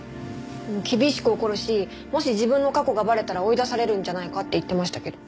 厳しく怒るしもし自分の過去がバレたら追い出されるんじゃないかって言ってましたけど。